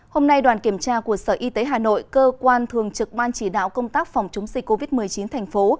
hôm nay đoàn kiểm tra của sở y tế hà nội cơ quan thường trực ban chỉ đạo công tác phòng chống dịch covid một mươi chín thành phố